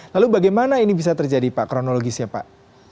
lalu bagaimana ini bisa terjadi pak kronologisnya pak